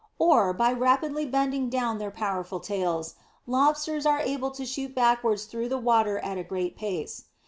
Or, by rapidly bending down their powerful tails, Lobsters are able to shoot backwards through the water at a great pace.